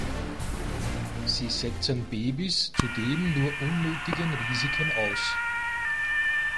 Sie setzen Babys zudem nur unnötigen Risiken aus.